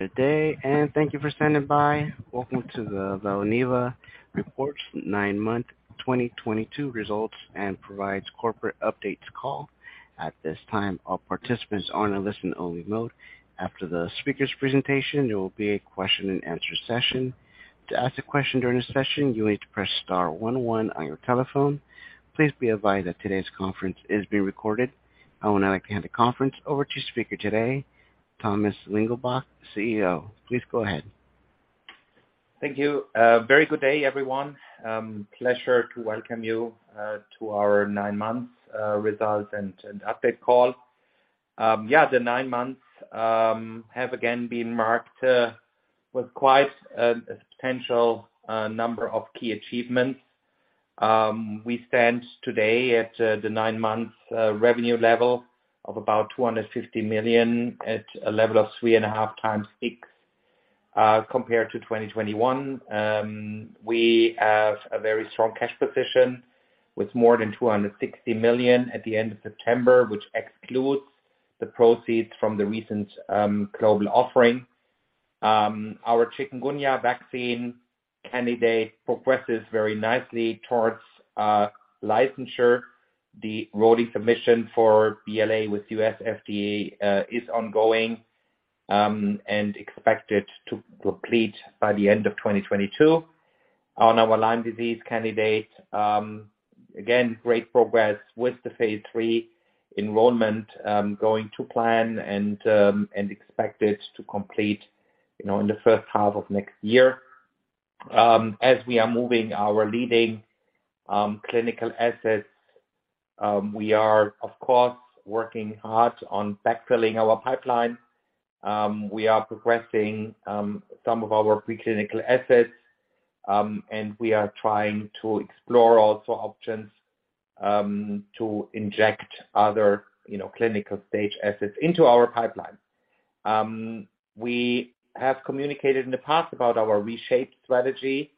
Good day, thank you for standing by. Welcome to the Valneva Report 9-Month 2022 Results and Provides Corporate Updates call. At this time, all participants are in a listen-only mode. After the speaker's presentation, there will be a question-and-answer session. To ask a question during the session, you need to press star one one on your telephone. Please be advised that today's conference is being recorded. I would now like to hand the conference over to speaker today, Thomas Lingelbach, CEO. Please go ahead. Thank you. Very good day, everyone. Pleasure to welcome you to our nine months results and update call. Yeah, the nine months have again been marked with quite a potential number of key achievements. We stand today at the nine months revenue level of about 250 million at a level of 3.5 times peak compared to 2021. We have a very strong cash position with more than 260 million at the end of September, which excludes the proceeds from the recent global offering. Our chikungunya vaccine candidate progresses very nicely towards licensure. The rolling submission for BLA with US FDA is ongoing and expected to complete by the end of 2022. On our Lyme disease candidate, again, great progress with the phase III enrollment, going to plan and expected to complete, you know, in the first half of next year. As we are moving our leading clinical assets, we are, of course, working hard on backfilling our pipeline. We are progressing some of our preclinical assets, and we are trying to explore also options to inject other, you know, clinical-stage assets into our pipeline. We have communicated in the past about our reshaped strategy.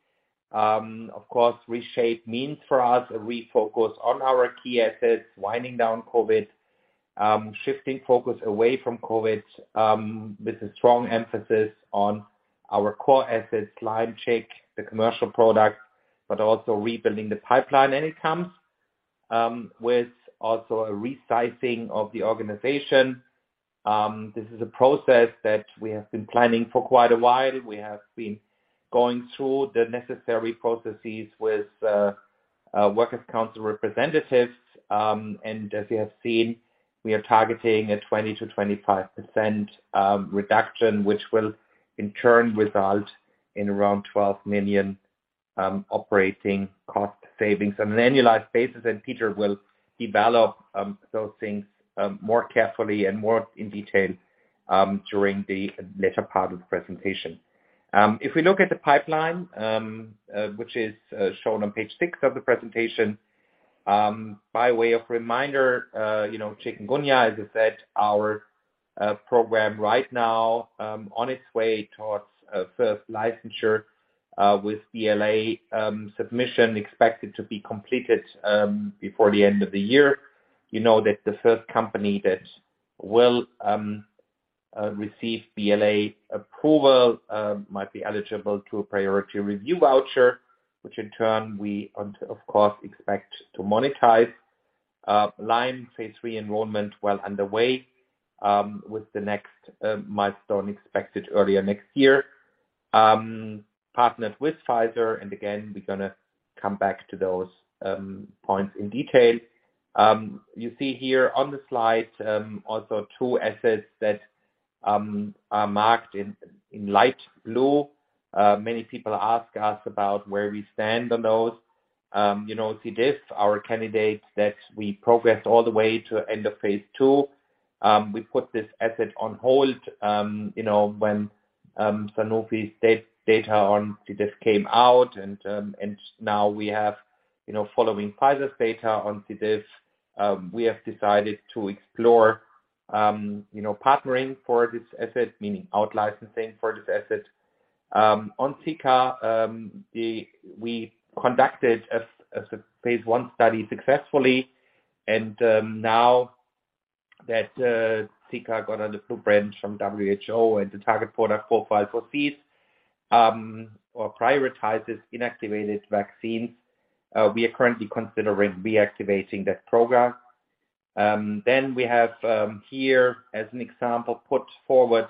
Of course, reshaped means for us a refocus on our key assets, winding down COVID, shifting focus away from COVID, with a strong emphasis on our core assets, Lyme check, the commercial products, but also rebuilding the pipeline. It comes with also a resizing of the organization. This is a process that we have been planning for quite a while. We have been going through the necessary processes with works council representatives. As you have seen, we are targeting a 20%-25% reduction, which will in turn result in around 12 million operating cost savings on an annualized basis. Peter will develop those things more carefully and more in detail during the later part of the presentation. If we look at the pipeline, which is shown on page 6 of the presentation. By way of reminder, you know, chikungunya, as I said, our program right now on its way towards first licensure with the BLA submission expected to be completed before the end of the year. You know that the first company that will receive BLA approval might be eligible to a priority review voucher, which in turn we want to, of course, expect to monetize. Lyme phase III enrollment well underway with the next milestone expected earlier next year. Partnered with Pfizer, and again, we're gonna come back to those points in detail. You see here on the slide also two assets that are marked in light blue. Many people ask us about where we stand on those. You know, C. diff, our candidate that we progressed all the way to end of phase II. We put this asset on hold, you know, when Sanofi's data on C. diff came out and now we have, you know, following Pfizer's data on C. diff, we have decided to explore, you know, partnering for this asset, meaning out-licensing for this asset. On Zika, we conducted a phase I study successfully and now that Zika got a little break from WHO and the target product profile prioritizes inactivated vaccines, we are currently considering reactivating that program. We have here as an example put forward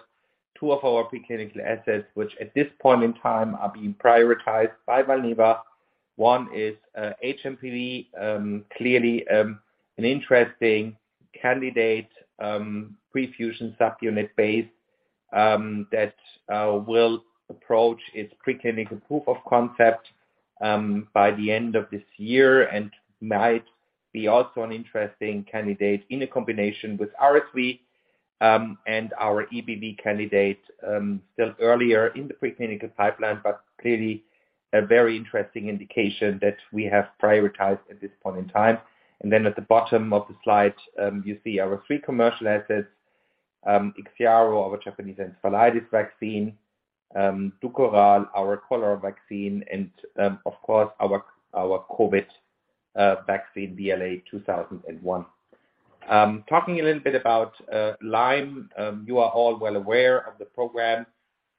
two of our preclinical assets which at this point in time are being prioritized by Valneva. One is hMPV, clearly an interesting candidate, pre-fusion subunit base that will approach its preclinical proof of concept by the end of this year and might be also an interesting candidate in a combination with RSV, and our EBV candidate still earlier in the preclinical pipeline, but clearly a very interesting indication that we have prioritized at this point in time. At the bottom of the slide, you see our three commercial assets, IXIARO, our Japanese encephalitis vaccine, DUKORAL, our cholera vaccine, and of course our COVID vaccine VLA2001. Talking a little bit about Lyme, you are all well aware of the program,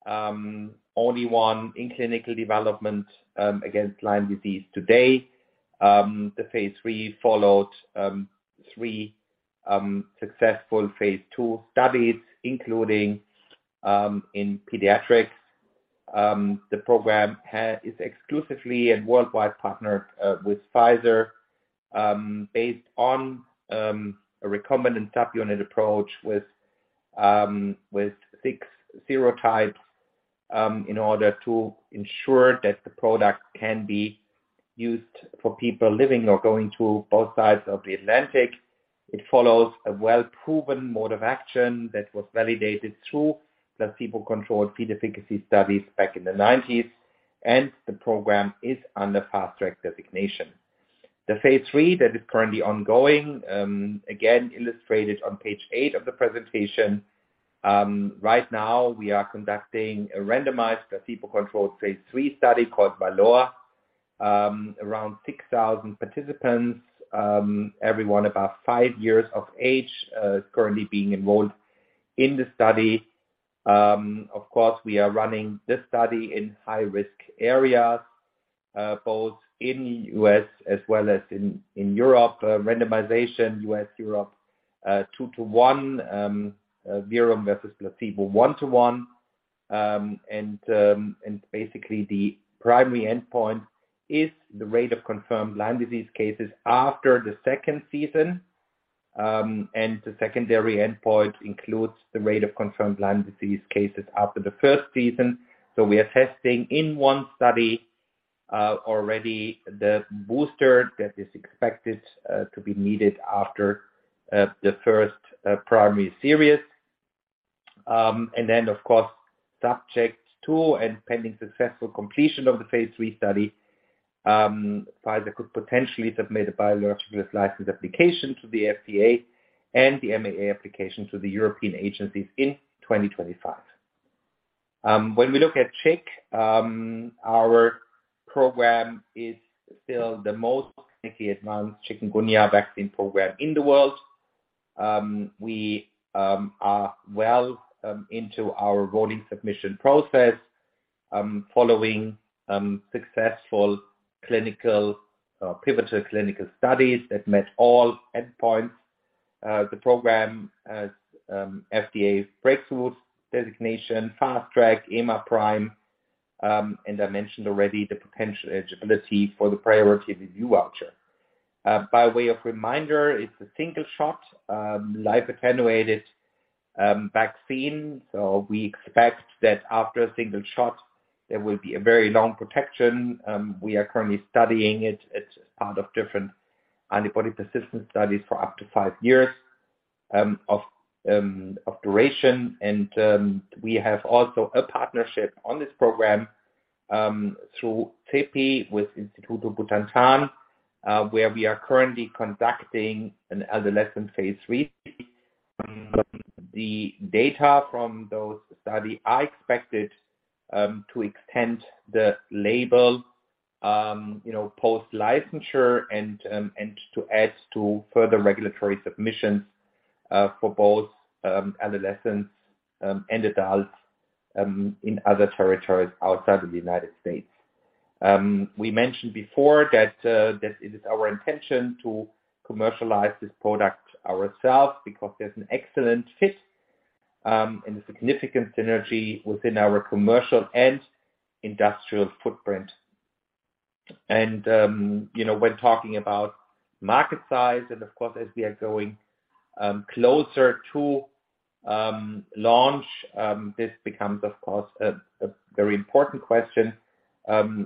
only one in clinical development against Lyme disease today. The phase III followed three successful phase II studies, including in pediatrics. The program has an exclusive worldwide partnership with Pfizer based on a recombinant protein subunit approach with 6 serotypes in order to ensure that the product can be used for people living or going to both sides of the Atlantic. It follows a well-proven mode of action that was validated through the placebo-controlled field efficacy studies back in the 1990s, and the program is under Fast Track designation. The phase III that is currently ongoing is again illustrated on page 8 of the presentation. Right now we are conducting a randomized placebo-controlled phase III study called VALOR. Around 6,000 participants, everyone about 5 years of age, currently being enrolled in the study. Of course, we are running this study in high-risk areas, both in U.S. as well as in Europe. Randomization U.S., Europe, 2 to 1, verum versus placebo, 1 to 1. Basically the primary endpoint is the rate of confirmed Lyme disease cases after the second season. The secondary endpoint includes the rate of confirmed Lyme disease cases after the first season. We are testing in one study already the booster that is expected to be needed after the first primary series. Of course, subject to and pending successful completion of the phase III study, Pfizer could potentially submit a biological license application to the FDA and the MAA application to the European agencies in 2025. When we look at chik, our program is still the most clinically advanced chikungunya vaccine program in the world. We are well into our MAA submission process, following successful pivotal clinical studies that met all endpoints. The program has FDA's Breakthrough Therapy Designation, Fast Track, EMA PRIME, and I mentioned already the potential eligibility for the priority review voucher. By way of reminder, it's a single shot, live-attenuated vaccine. We expect that after a single shot, there will be a very long protection. We are currently studying it. It's part of different antibody persistence studies for up to five years of duration. We have also a partnership on this program, through CEPI with Instituto Butantan, where we are currently conducting an adolescent phase III. The data from those studies are expected to extend the label, you know, post-licensure and to add to further regulatory submissions for both adolescents and adults in other territories outside of the United States. We mentioned before that it is our intention to commercialize this product ourselves because there's an excellent fit and a significant synergy within our commercial and industrial footprint. You know, when talking about market size and of course as we are going closer to launch, this becomes of course a very important question.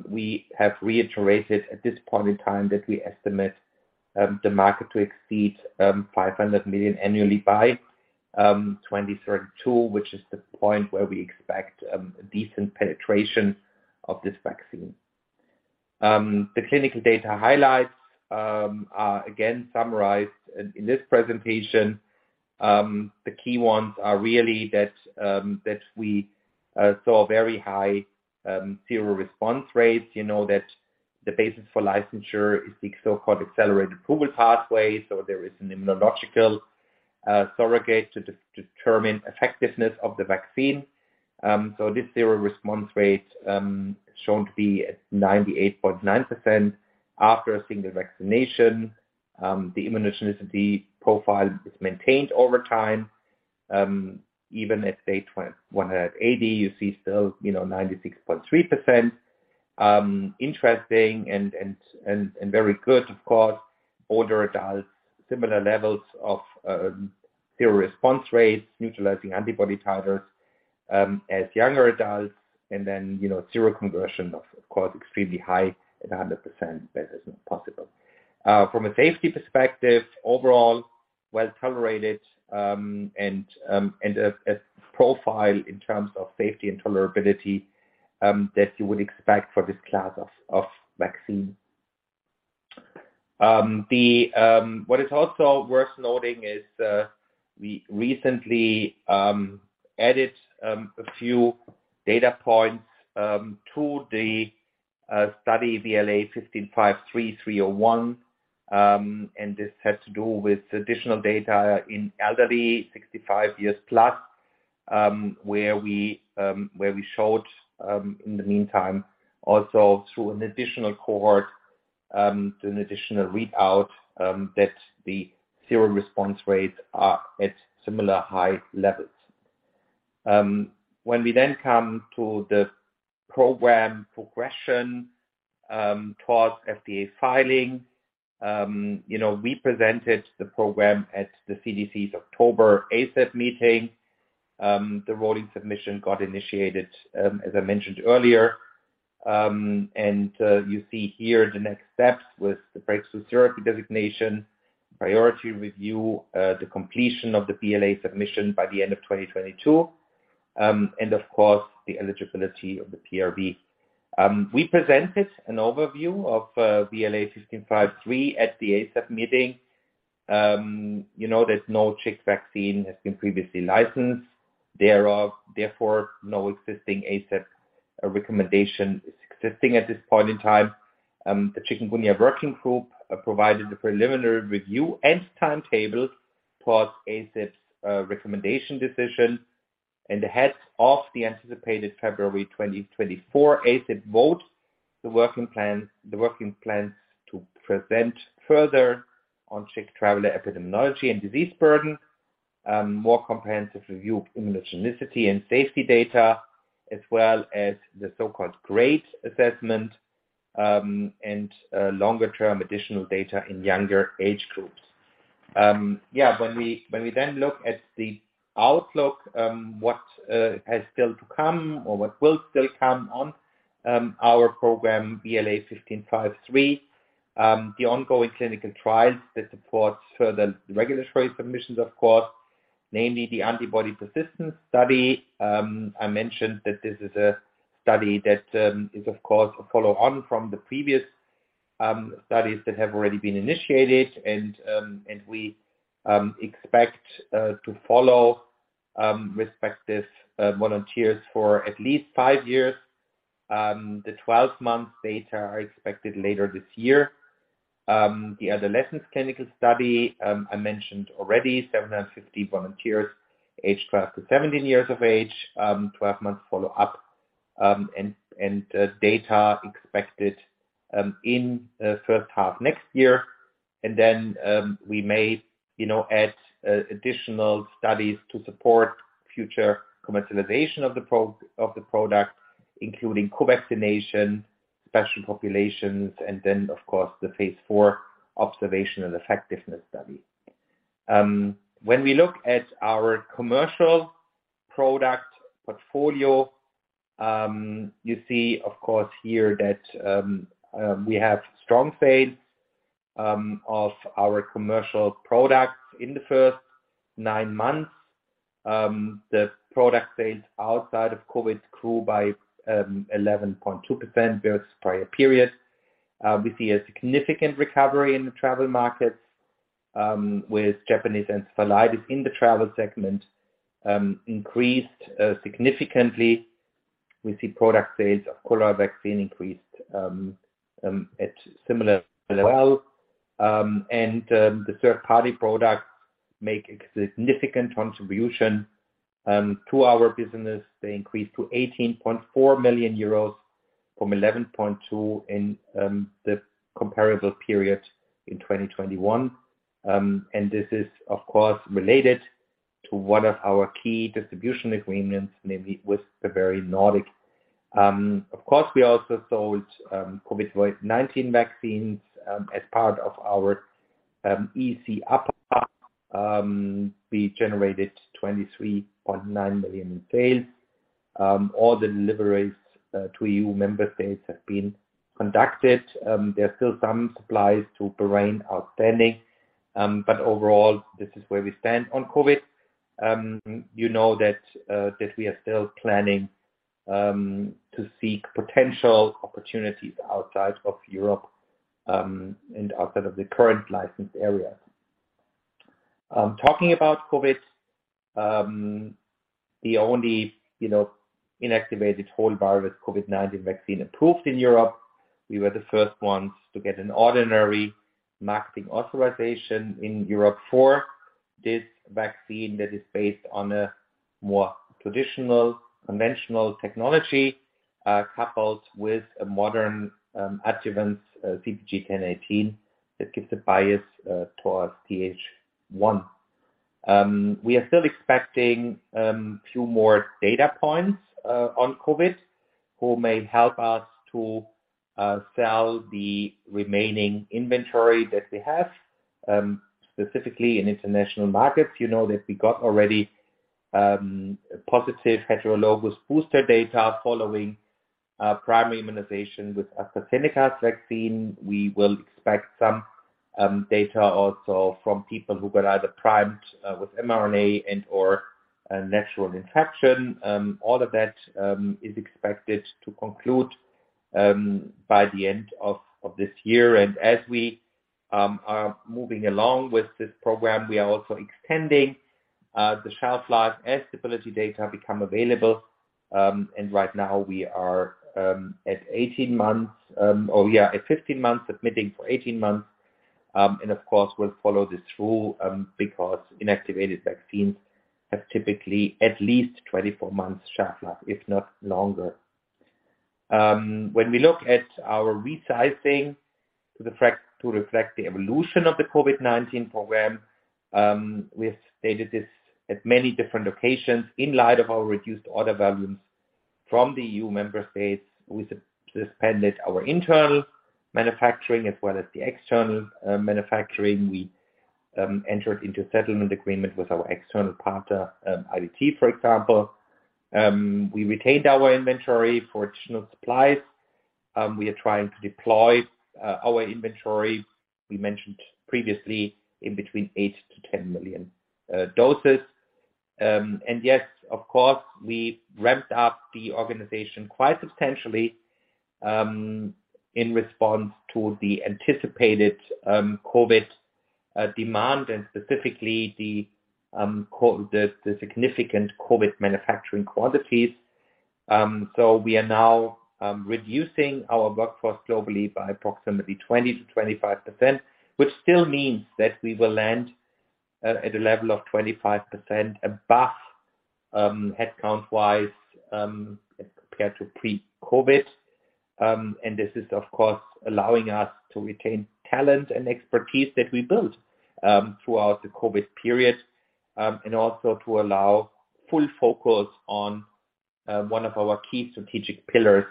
We have reiterated at this point in time that we estimate the market to exceed 500 million annually by 2032, which is the point where we expect a decent penetration of this vaccine. The clinical data highlights are again summarized in this presentation. The key ones are really that we saw very high seroresponse rates. You know that the basis for licensure is the so-called accelerated approval pathway. There is an immunological surrogate to determine effectiveness of the vaccine. This seroresponse rate shown to be at 98.9% after a single vaccination. The immunogenicity profile is maintained over time, even at day 180, you see still, you know, 96.3%. Interesting and very good of course, older adults, similar levels of seroresponse rates, neutralizing antibody titers, as younger adults. Then, you know, seroconversion of course extremely high at 100%, that is not possible. From a safety perspective, overall, well-tolerated, and a profile in terms of safety and tolerability that you would expect for this class of vaccine. What is also worth noting is we recently added a few data points to the VLA1553-301 BLA, and this has to do with additional data in elderly 65 years plus, where we showed in the meantime also through an additional cohort an additional readout that the seroresponse rates are at similar high levels. When we then come to the program progression towards FDA filing, you know, we presented the program at the CDC's October ACIP meeting. The rolling submission got initiated, as I mentioned earlier. You see here the next steps with the Breakthrough Therapy Designation, priority review, the completion of the BLA submission by the end of 2022, and of course, the eligibility of the PRV. We presented an overview of BLA 1553 at the ACIP meeting. You know that no chik vaccine has been previously licensed. There are therefore no existing ACIP recommendation at this point in time. The Chikungunya working group provided a preliminary review and timetable towards ACIP's recommendation decision. Ahead of the anticipated February 2024 ACIP vote, the working plans to present further on chik traveler epidemiology and disease burden, more comprehensive review of immunogenicity and safety data, as well as the so-called GRADE assessment, and longer-term additional data in younger age groups. When we then look at the outlook, what has still to come or what will still come on our program, VLA1553, the ongoing clinical trials that supports further regulatory submissions, of course, namely the antibody persistence study. I mentioned that this is a study that is of course a follow-on from the previous studies that have already been initiated and we expect to follow respective volunteers for at least five years. The 12-month data are expected later this year. The adolescents clinical study, I mentioned already 750 volunteers aged 12 to 17 years of age, 12 months follow-up, and data expected in first half next year. We may, you know, add additional studies to support future commercialization of the product, including co-vaccination, special populations, and then of course, the phase IV observation and effectiveness study. When we look at our commercial product portfolio, you see of course here that we have strong sales of our commercial products in the first nine months. The product sales outside of COVID grew by 11.2% versus prior period. We see a significant recovery in the travel markets, with Japanese encephalitis in the travel segment increased significantly. We see product sales of cholera vaccine increased at similar level. The third-party products make a significant contribution to our business. They increased to 18.4 million euros from 11.2 million in the comparable period in 2021. This is of course related to one of our key distribution agreements, namely with Bavarian Nordic. Of course, we also sold COVID-19 vaccines as part of our EC. We generated 23.9 million in sales. All the deliveries to EU member states have been conducted. There are still some supplies to Bahrain outstanding. Overall, this is where we stand on COVID. You know that we are still planning to seek potential opportunities outside of Europe and outside of the current licensed area. Talking about COVID, the only, you know, inactivated whole virus COVID-19 vaccine approved in Europe. We were the first ones to get an ordinary marketing authorization in Europe for this vaccine that is based on a more traditional conventional technology, coupled with a modern adjuvant, CpG 1018 that gives a bias towards Th1. We are still expecting a few more data points on COVID which may help us to sell the remaining inventory that we have, specifically in international markets. You know that we got already positive heterologous booster data following primary immunization with AstraZeneca's vaccine. We will expect some data also from people who got either primed with mRNA and/or a natural infection. All of that is expected to conclude by the end of this year. As we are moving along with this program, we are also extending the shelf life and stability data become available, and right now we are at 18 months or at 15 months, submitting for 18 months. Of course, we'll follow this through, because inactivated vaccines have typically at least 24 months shelf life, if not longer. When we look at our revising to the fact to reflect the evolution of the COVID-19 program, we have stated this at many different locations. In light of our reduced order volumes from the EU member states, we suspended our internal manufacturing as well as the external manufacturing. We entered into settlement agreement with our external partner, IDT, for example. We retained our inventory for additional supplies. We are trying to deploy our inventory. We mentioned previously in between 8-10 million doses. Yes, of course, we ramped up the organization quite substantially in response to the anticipated COVID demand and specifically the significant COVID manufacturing quantities. We are now reducing our workforce globally by approximately 20-25%, which still means that we will land at a level of 25% above headcount wise compared to pre-COVID. This is, of course, allowing us to retain talent and expertise that we built throughout the COVID period and also to allow full focus on one of our key strategic pillars,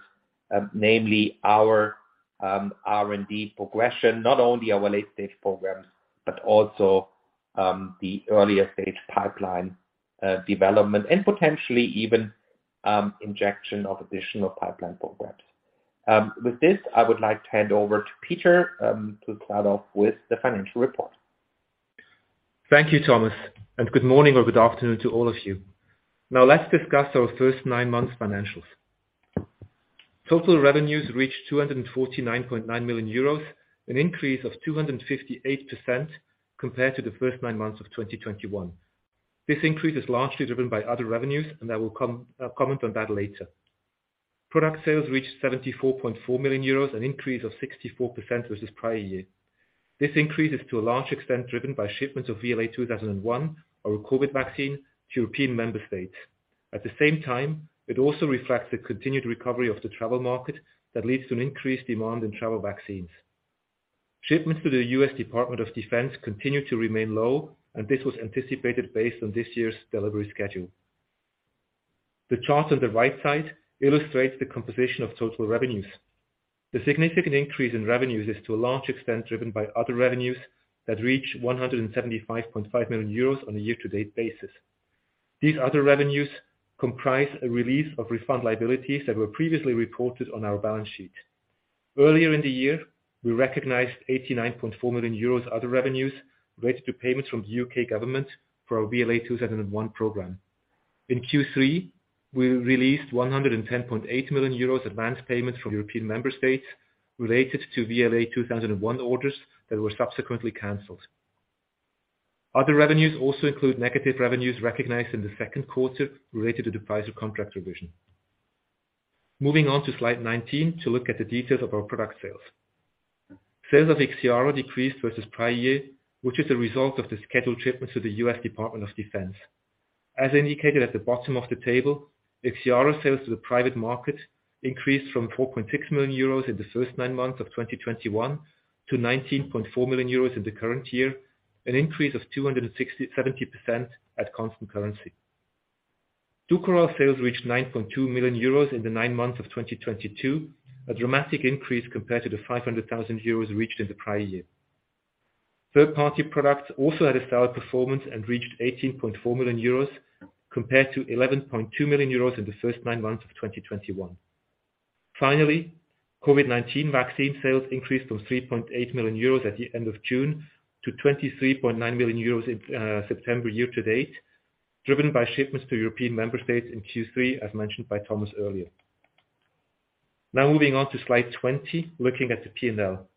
namely our R&D progression. Not only our late-stage programs, but also the earlier stage pipeline development and potentially even injection of additional pipeline programs. With this, I would like to hand over to Peter to start off with the financial report. Thank you, Thomas, and good morning or good afternoon to all of you. Now let's discuss our first nine months financials. Total revenues reached 249.9 million euros, an increase of 258% compared to the first nine months of 2021. This increase is largely driven by other revenues, and I will comment on that later. Product sales reached 74.4 million euros, an increase of 64% versus prior year. This increase is to a large extent driven by shipments of VLA 2001, our COVID vaccine, to European member states. At the same time, it also reflects the continued recovery of the travel market that leads to an increased demand in travel vaccines. Shipments to the US Department of Defense continue to remain low, and this was anticipated based on this year's delivery schedule. The chart on the right side illustrates the composition of total revenues. The significant increase in revenues is to a large extent driven by other revenues that reach 175.5 million euros on a year-to-date basis. These other revenues comprise a release of refund liabilities that were previously reported on our balance sheet. Earlier in the year, we recognized 89.4 million euros other revenues related to payments from the UK government for our VLA2001 program. In Q3, we released 110.8 million euros advanced payments from European member states related to VLA2001 orders that were subsequently canceled. Other revenues also include negative revenues recognized in the second quarter related to the price or contract revision. Moving on to slide 19 to look at the details of our product sales. Sales of IXIARO decreased versus prior year, which is a result of the scheduled shipments to the US Department of Defense. As indicated at the bottom of the table, IXIARO sales to the private market increased from 4.6 million euros in the first nine months of 2021 to 19.4 million euros in the current year, an increase of 267% at constant currency. DUKORAL sales reached 9.2 million euros in the nine months of 2022, a dramatic increase compared to the 500,000 euros reached in the prior year. Third-party products also had a solid performance and reached 18.4 million euros compared to 11.2 million euros in the first nine months of 2021. Finally, COVID-19 vaccine sales increased from 3.8 million euros at the end of June to 23.9 million euros in September year to date, driven by shipments to European member states in Q3, as mentioned by Thomas earlier. Now moving on to slide 20, looking at the P&L.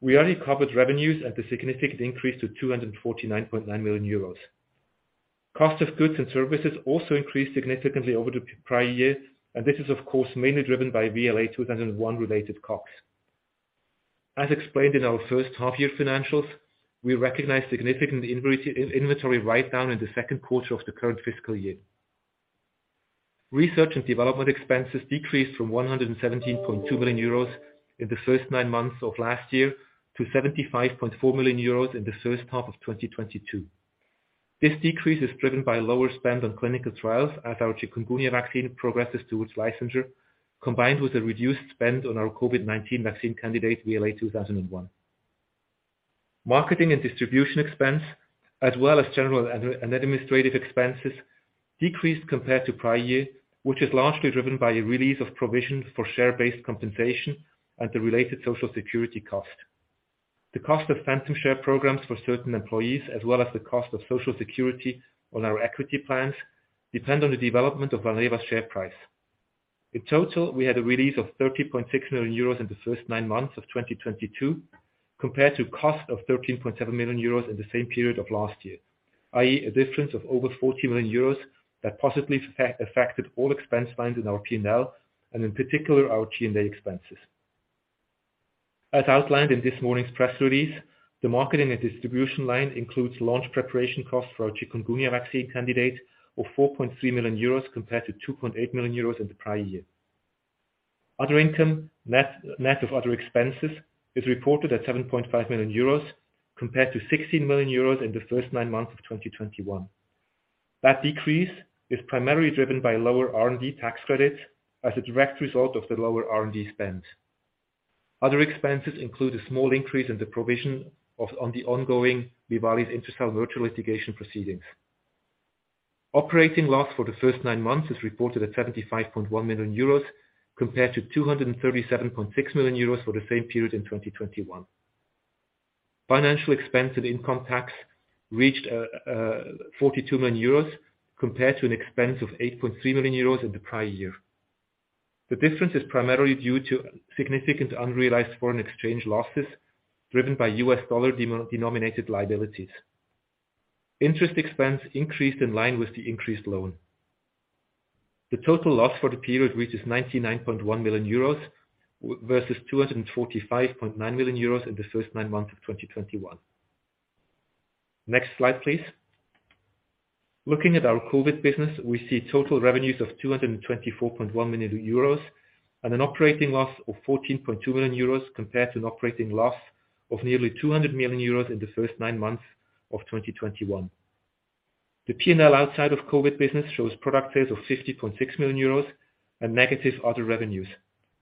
We already covered revenues and the significant increase to 249.9 million euros. Cost of goods and services also increased significantly over the prior year, and this is of course, mainly driven by VLA 2001-related costs. As explained in our first half-year financials, we recognize significant inventory write-down in the second quarter of the current fiscal year. Research and development expenses decreased from 117.2 million euros in the first nine months of last year to 75.4 million euros in the first half of 2022. This decrease is driven by lower spend on clinical trials as our chikungunya vaccine progresses towards licensure, combined with a reduced spend on our COVID-19 vaccine candidate, VLA2001. Marketing and distribution expense, as well as general and administrative expenses decreased compared to prior year, which is largely driven by a release of provisions for share-based compensation and the related Social Security cost. The cost of phantom share programs for certain employees, as well as the cost of Social Security on our equity plans, depend on the development of Valneva's share price. In total, we had a release of 30.6 million euros in the first nine months of 2022, compared to cost of 13.7 million euros in the same period of last year, i.e. a difference of over 40 million euros that positively affected all expense lines in our P&L and in particular, our G&A expenses. As outlined in this morning's press release, the marketing and distribution line includes launch preparation costs for our chikungunya vaccine candidate of 4.3 million euros compared to 2.8 million euros in the prior year. Other income, net of other expenses is reported at 7.5 million euros compared to 16 million euros in the first nine months of 2021. That decrease is primarily driven by lower R&D tax credits as a direct result of the lower R&D spend. Other expenses include a small increase in the provision for the ongoing Vivalis/Intercell litigation proceedings. Operating loss for the first nine months is reported at 75.1 million euros compared to 237.6 million euros for the same period in 2021. Financial expense and income tax reached 42 million euros compared to an expense of 8.3 million euros in the prior year. The difference is primarily due to significant unrealized foreign exchange losses driven by US dollar-denominated liabilities. Interest expense increased in line with the increased loan. The total loss for the period, which is 99.1 million euros, versus 245.9 million euros in the first nine months of 2021. Next slide, please. Looking at our COVID business, we see total revenues of 224.1 million euros and an operating loss of 14.2 million euros compared to an operating loss of nearly 200 million euros in the first nine months of 2021. The P&L outside of COVID business shows product sales of 50.6 million euros and negative other revenues.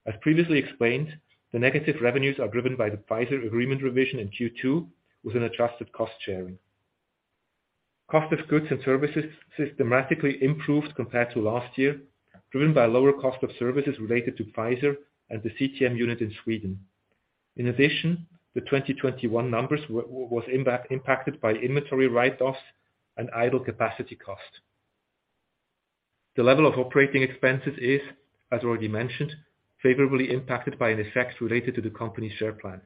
As previously explained, the negative revenues are driven by the Pfizer agreement revision in Q2 with an adjusted cost sharing. Cost of goods and services systematically improved compared to last year, driven by lower cost of services related to Pfizer and the CTM unit in Sweden. In addition, the 2021 numbers was impacted by inventory write-offs and idle capacity cost. The level of operating expenses is, as already mentioned, favorably impacted by an effect related to the company's share plan.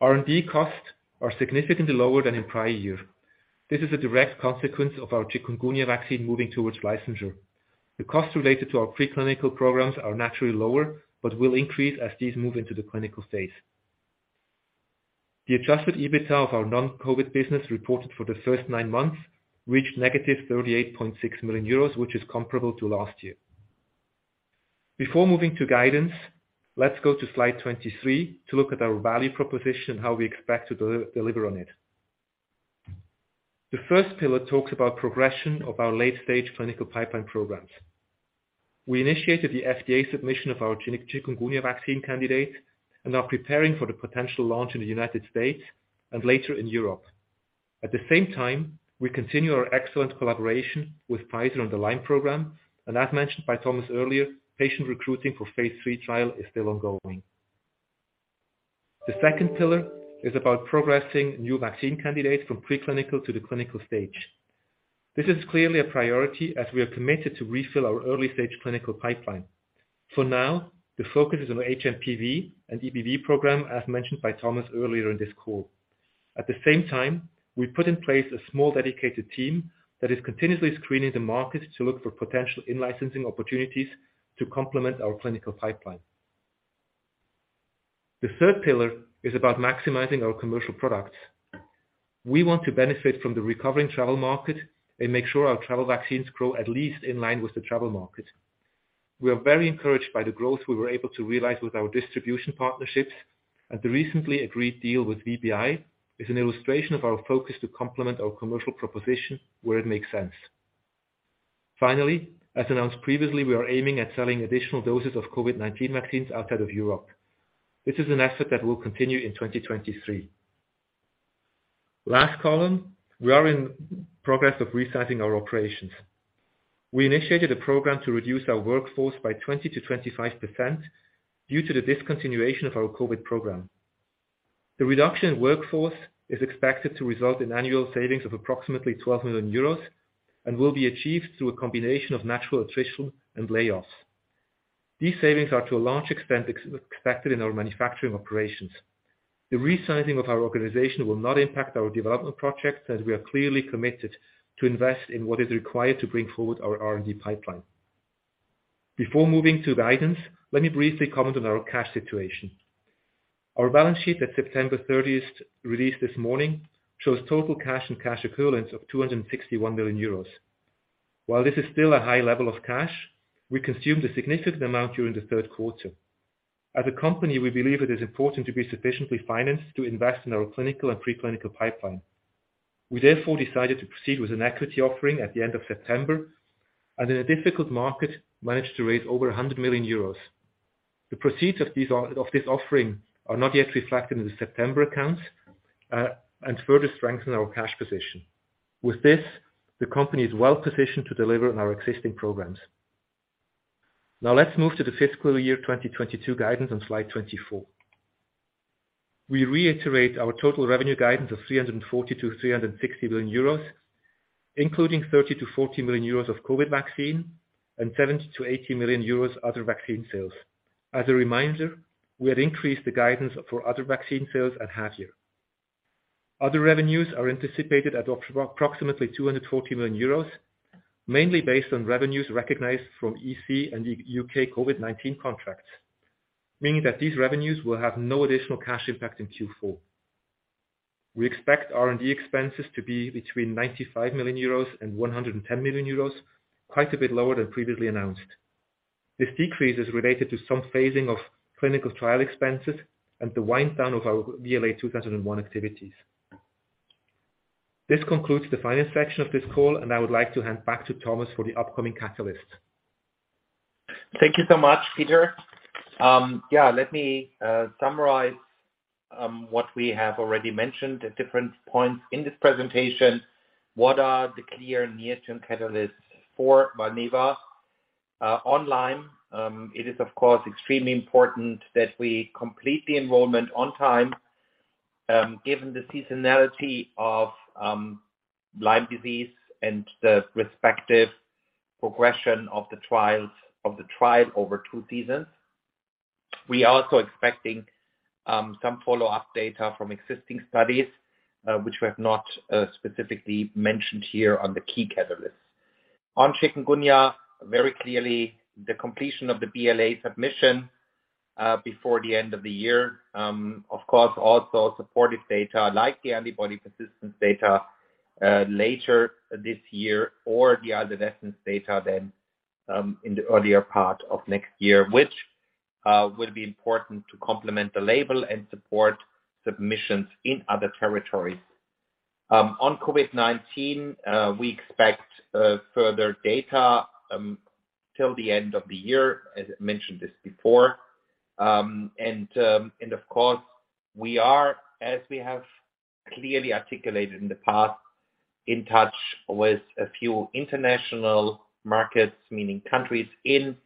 R&D costs are significantly lower than in prior year. This is a direct consequence of our chikungunya vaccine moving towards licensure. The costs related to our pre-clinical programs are naturally lower, but will increase as these move into the clinical phase. The adjusted EBITA of our non-COVID business reported for the first nine months reached negative 38.6 million euros, which is comparable to last year. Before moving to guidance, let's go to slide 23 to look at our value proposition and how we expect to deliver on it. The first pillar talks about progression of our late-stage clinical pipeline programs. We initiated the FDA submission of our chikungunya vaccine candidate and are preparing for the potential launch in the United States and later in Europe. At the same time, we continue our excellent collaboration with Pfizer on the Lyme program, and as mentioned by Thomas earlier, patient recruiting for phase III trial is still ongoing. The second pillar is about progressing new vaccine candidates from pre-clinical to the clinical stage. This is clearly a priority as we are committed to refill our early-stage clinical pipeline. For now, the focus is on HMPV and EBV program, as mentioned by Thomas earlier in this call. At the same time, we put in place a small, dedicated team that is continuously screening the market to look for potential in-licensing opportunities to complement our clinical pipeline. The third pillar is about maximizing our commercial products. We want to benefit from the recovering travel market and make sure our travel vaccines grow at least in line with the travel market. We are very encouraged by the growth we were able to realize with our distribution partnerships, and the recently agreed deal with VBI is an illustration of our focus to complement our commercial proposition where it makes sense. Finally, as announced previously, we are aiming at selling additional doses of COVID-19 vaccines outside of Europe. This is an effort that will continue in 2023. Last column, we are in the process of resizing our operations. We initiated a program to reduce our workforce by 20%-25% due to the discontinuation of our COVID program. The reduction in workforce is expected to result in annual savings of approximately 12 million euros and will be achieved through a combination of natural attrition and layoffs. These savings are to a large extent expected in our manufacturing operations. The resizing of our organization will not impact our development projects, as we are clearly committed to invest in what is required to bring forward our R&D pipeline. Before moving to guidance, let me briefly comment on our cash situation. Our balance sheet at September 30th, released this morning, shows total cash and cash equivalents of 261 million euros. While this is still a high level of cash, we consumed a significant amount during the third quarter. As a company, we believe it is important to be sufficiently financed to invest in our clinical and pre-clinical pipeline. We therefore decided to proceed with an equity offering at the end of September and in a difficult market, managed to raise over 100 million euros. The proceeds of this offering are not yet reflected in the September accounts and further strengthen our cash position. With this, the company is well positioned to deliver on our existing programs. Now let's move to the fiscal year 2022 guidance on slide 24. We reiterate our total revenue guidance of 340 million-360 million euros, including 30 million-40 million euros of COVID vaccine and 70 million-80 million euros other vaccine sales. As a reminder, we had increased the guidance for other vaccine sales at half year. Other revenues are anticipated at approximately 240 million euros, mainly based on revenues recognized from EC and UK COVID-19 contracts, meaning that these revenues will have no additional cash impact in Q4. We expect R&D expenses to be between 95 million euros and 110 million euros, quite a bit lower than previously announced. This decrease is related to some phasing of clinical trial expenses and the wind down of our VLA2001 activities. This concludes the finance section of this call, and I would like to hand back to Thomas for the upcoming catalysts. Thank you so much, Peter. Yeah, let me summarize what we have already mentioned at different points in this presentation. What are the clear near-term catalysts for Valneva on Lyme? It is of course extremely important that we complete the enrollment on time, given the seasonality of Lyme disease and the respective progression of the trials, of the trial over two seasons. We are also expecting some follow-up data from existing studies, which we have not specifically mentioned here on the key catalysts. On Chikungunya, very clearly the completion of the BLA submission before the end of the year, of course, also supportive data like the antibody persistence data later this year or the adolescent data then in the earlier part of next year, which will be important to complement the label and support submissions in other territories. On COVID-19, we expect further data till the end of the year, as I mentioned this before. Of course we are, as we have clearly articulated in the past, in touch with a few international markets, meaning countries in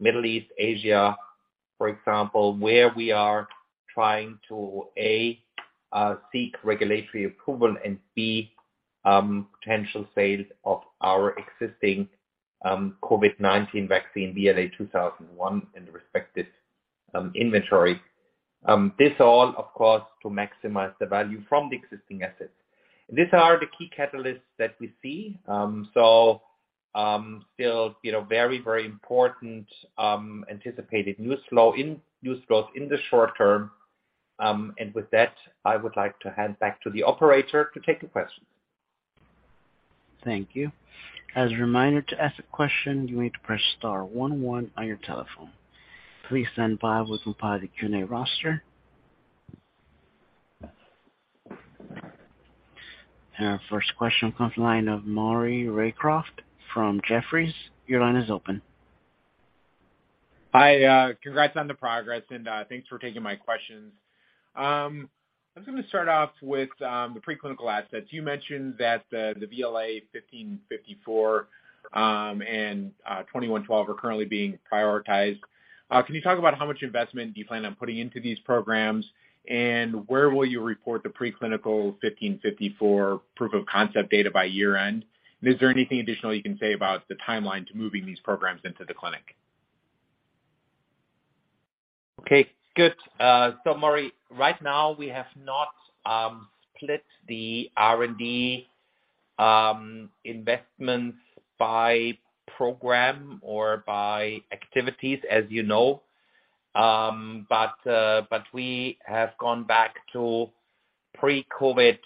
Middle East, Asia, for example, where we are trying to A, seek regulatory approval and B, potential sales of our existing COVID-19 vaccine VLA2001 and respective inventory. This all of course to maximize the value from the existing assets. These are the key catalysts that we see. Still, you know, very, very important anticipated news flow in news growth in the short term. With that, I would like to hand back to the operator to take the questions. Thank you. As a reminder to ask a question, you need to press star one one on your telephone. Please stand by. We'll go by the Q&A roster. Our first question comes from the line of Maury Raycroft from Jefferies. Your line is open. Hi, congrats on the progress and thanks for taking my questions. I'm gonna start off with the preclinical assets. You mentioned that the VLA1554 and VLA2112 are currently being prioritized. Can you talk about how much investment do you plan on putting into these programs, and where will you report the preclinical VLA1554 proof of concept data by year-end? Is there anything additional you can say about the timeline to moving these programs into the clinic? Okay, good. Maury, right now we have not split the R&D investments by program or by activities as you know. We have gone back to pre-COVID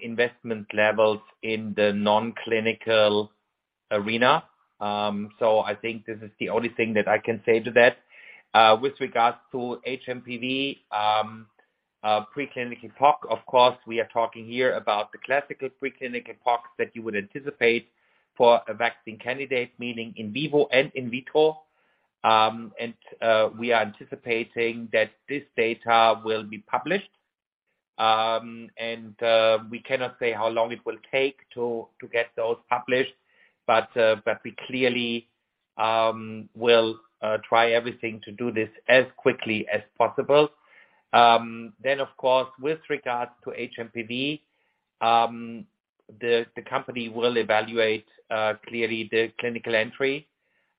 investment levels in the non-COVID arena. I think this is the only thing that I can say to that. With regards to hMPV, preclinical work, of course, we are talking here about the classical preclinical work that you would anticipate for a vaccine candidate, meaning in vivo and in vitro. We are anticipating that this data will be published. We cannot say how long it will take to get those published, but we clearly will try everything to do this as quickly as possible. Of course, with regards to hMPV, the company will evaluate clearly the clinical entry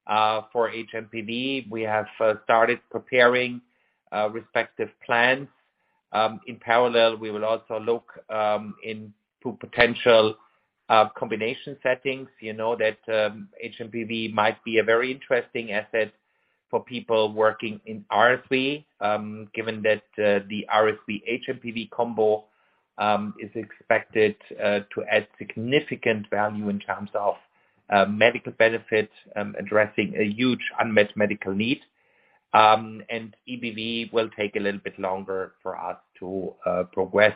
for hMPV. We have started preparing respective plans. In parallel, we will also look into potential combination settings. You know that hMPV might be a very interesting asset for people working in RSV, given that the RSV hMPV combo is expected to add significant value in terms of medical benefit, addressing a huge unmet medical need. EBV will take a little bit longer for us to progress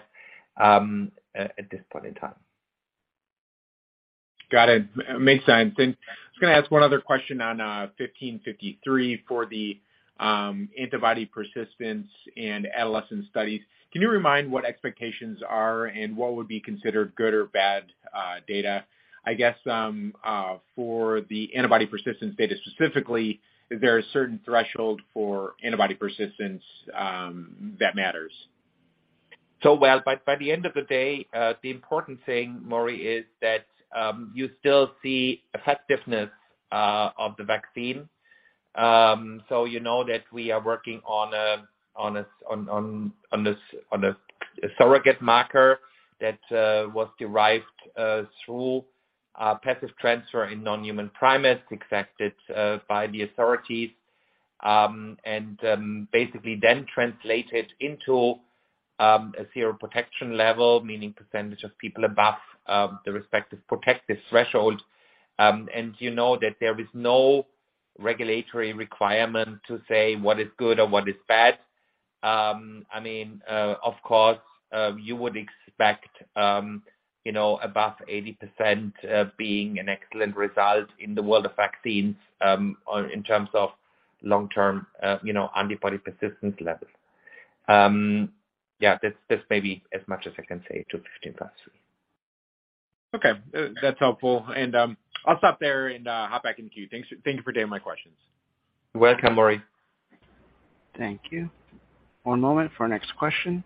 at this point in time. Got it. Makes sense. I was gonna ask one other question on fifteen fifty-three for the antibody persistence in adolescent studies. Can you remind what expectations are and what would be considered good or bad data? I guess for the antibody persistence data specifically, is there a certain threshold for antibody persistence that matters? Well, by the end of the day, the important thing, Maury, is that you still see effectiveness of the vaccine. You know that we are working on a surrogate marker that was derived through passive transfer in non-human primates accepted by the authorities, and basically then translated into a sero-protection level, meaning percentage of people above the respective protective threshold. You know that there is no regulatory requirement to say what is good or what is bad. I mean, of course, you would expect, you know, above 80% being an excellent result in the world of vaccines, or in terms of long-term, you know, antibody persistence levels. Yeah, that's maybe as much as I can say to 15+. Okay. That's helpful. I'll stop there and hop back in the queue. Thank you for taking my questions. You're welcome, Maury. Thank you. One moment for our next question.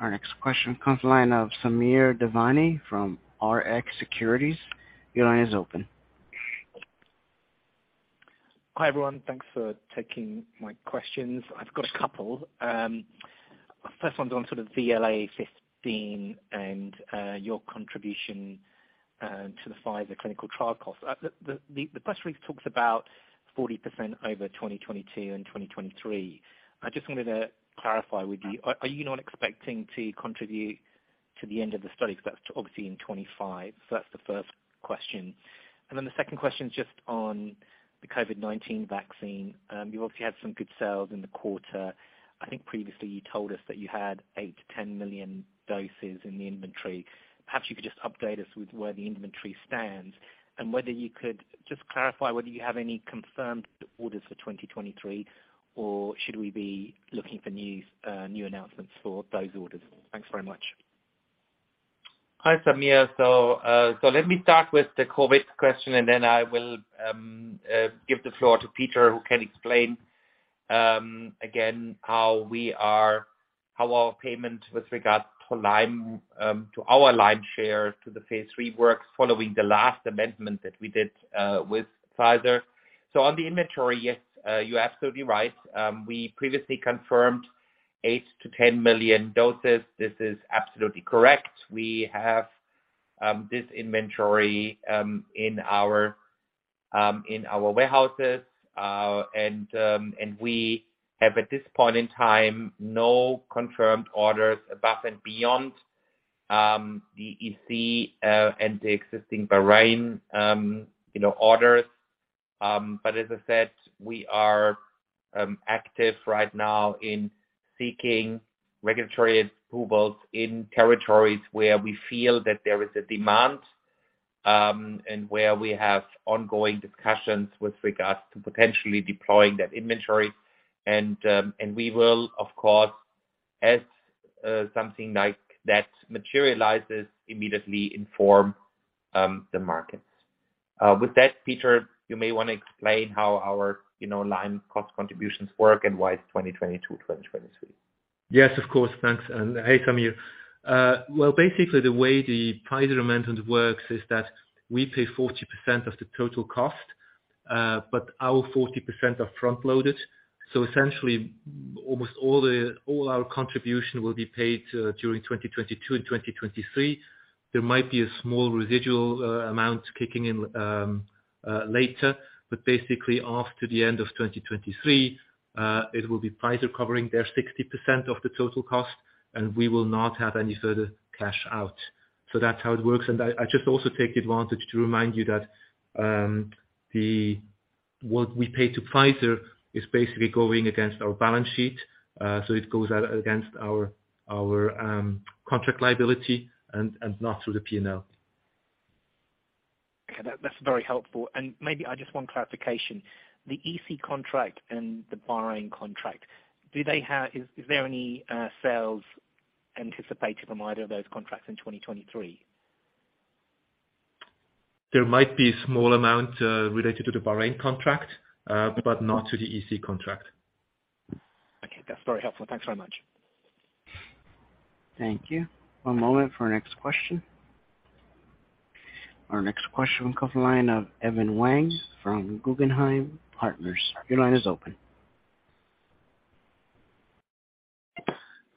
Our next question comes from the line of Samir Devani from Rx Securities. Your line is open. Hi, everyone. Thanks for taking my questions. I've got a couple. First one's on sort of VLA15 and your contribution to the Pfizer clinical trial cost. The press release talks about 40% over 2022 and 2023. I just wanted to clarify with you. Are you not expecting to contribute to the end of the study? Because that's obviously in 2025. That's the first question. Then the second question is just on the COVID-19 vaccine. You obviously had some good sales in the quarter. I think previously you told us that you had 8-10 million doses in the inventory. Perhaps you could just update us with where the inventory stands and whether you could just clarify whether you have any confirmed orders for 2023, or should we be looking for new announcements for those orders? Thanks very much. Hi, Samir. Let me start with the COVID question, and then I will give the floor to Peter, who can explain again how our payment with regard to Lyme, to our Lyme share to the phase III works following the last amendment that we did with Pfizer. On the inventory, yes, you're absolutely right. We previously confirmed 8-10 million doses. This is absolutely correct. We have this inventory in our warehouses, and we have, at this point in time, no confirmed orders above and beyond the EC and the existing Bahrain, you know, orders. As I said, we are active right now in seeking regulatory approvals in territories where we feel that there is a demand, and where we have ongoing discussions with regards to potentially deploying that inventory. We will, of course, as something like that materializes, immediately inform the markets. With that, Peter, you may wanna explain how our, you know, Lyme cost contributions work and why it's 2022, 2023. Yes, of course. Thanks. Hey, Samir. Basically the way the Pfizer amendment works is that we pay 40% of the total cost, but our 40% are front-loaded, so essentially almost all our contribution will be paid during 2022 and 2023. There might be a small residual amount kicking in later, but basically after the end of 2023, it will be Pfizer covering their 60% of the total cost, and we will not have any further cash out. That's how it works. I just also take the advantage to remind you that what we pay to Pfizer is basically going against our balance sheet. So it goes out against our contract liability and not through the P&L. Okay. That's very helpful. Maybe I just want one clarification. The EC contract and the Bahrain contract, is there any sales anticipated from either of those contracts in 2023? There might be a small amount, related to the Bahrain contract, but not to the EC contract. Okay. That's very helpful. Thanks very much. Thank you. One moment for our next question. Our next question comes from the line of Evan Wang from Guggenheim Partners. Your line is open.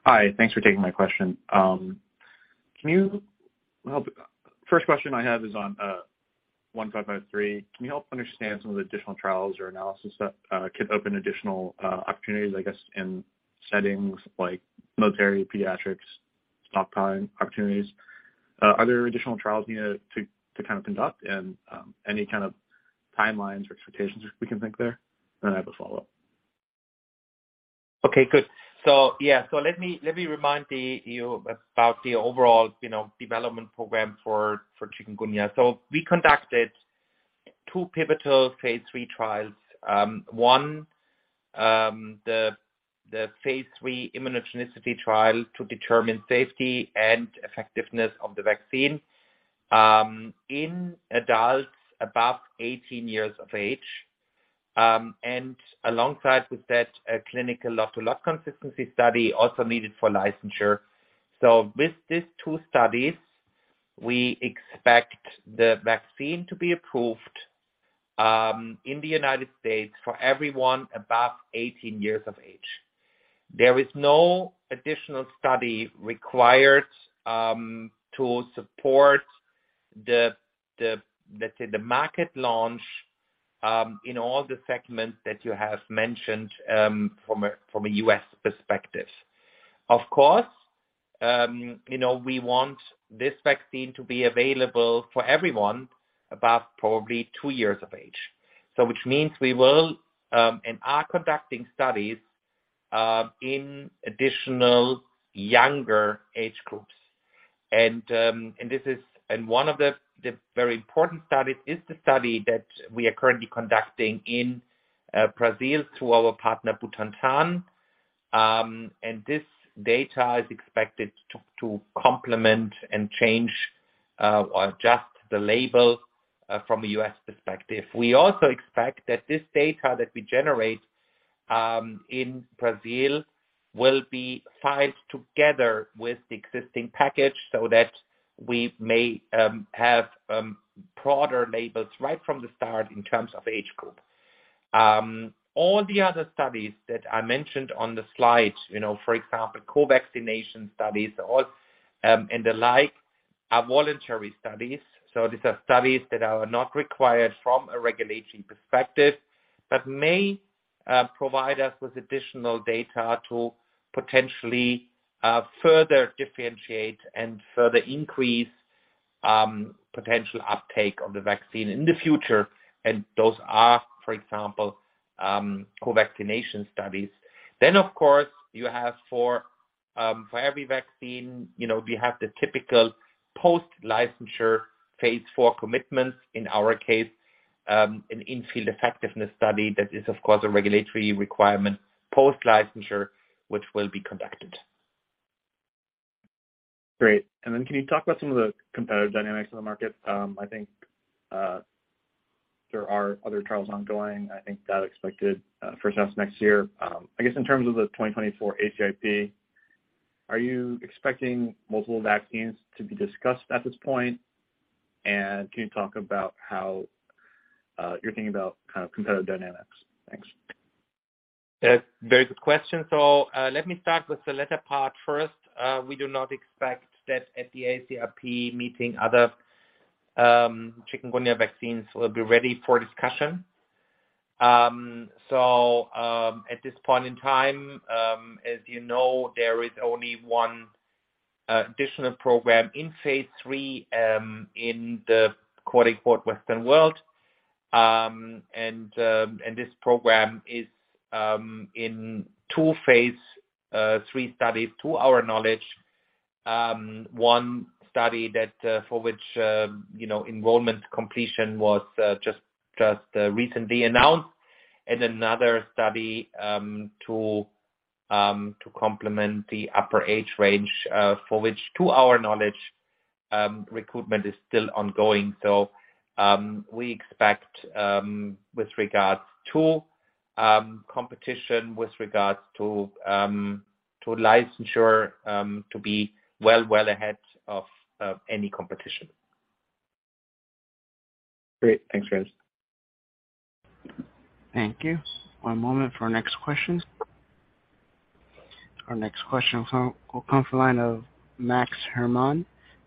Hi. Thanks for taking my question. First question I have is on one five five three. Can you help understand some of the additional trials or analysis that could open additional opportunities, I guess, in settings like military pediatrics, off-time opportunities? Are there additional trials you need to kind of conduct and any kind of timelines or expectations we can think there? I have a follow-up. Okay, good. Yeah. Let me remind you about the overall, you know, development program for chikungunya. We conducted 2 pivotal phase III trials, the phase III immunogenicity trial to determine safety and effectiveness of the vaccine, in adults above 18 years of age. And alongside with that, a clinical lot-to-lot consistency study also needed for licensure. With these 2 studies, we expect the vaccine to be approved, in the United States for everyone above 18 years of age. There is no additional study required, to support the market launch, in all the segments that you have mentioned, from a U.S. perspective. Of course, you know, we want this vaccine to be available for everyone above probably 2 years of age. Which means we will and are conducting studies in additional younger age groups. This is one of the very important studies is the study that we are currently conducting in Brazil through our partner, Butantan. This data is expected to complement and change or adjust the label from a U.S. perspective. We also expect that this data that we generate in Brazil will be filed together with the existing package so that we may have broader labels right from the start in terms of age group. All the other studies that I mentioned on the slide, you know, for example, co-vaccination studies or and the like, are voluntary studies. These are studies that are not required from a regulatory perspective, but may provide us with additional data to potentially further differentiate and further increase potential uptake of the vaccine in the future. Those are, for example, co-vaccination studies. Of course, you have, for every vaccine, you know, we have the typical post-licensure phase IV commitments. In our case, an in-field effectiveness study that is of course a regulatory requirement post-licensure, which will be conducted. Great. Can you talk about some of the competitive dynamics in the market? I think there are other trials ongoing. I think that's expected first half of next year. I guess in terms of the 2024 ACIP, are you expecting multiple vaccines to be discussed at this point? Can you talk about how you're thinking about kind of competitive dynamics? Thanks. Yeah. Very good question. Let me start with the latter part first. We do not expect that at the ACIP meeting other chikungunya vaccines will be ready for discussion. At this point in time, as you know, there is only one additional program in phase III in the quote-unquote Western world. This program is in two phase III studies to our knowledge. One study that for which you know enrollment completion was just recently announced and another study to complement the upper age range for which to our knowledge recruitment is still ongoing. We expect with regards to competition, with regards to licensure, to be well ahead of any competition. Great. Thanks, Guys. Thank you. One moment for our next question. Our next question will come from the line of Max Herrmann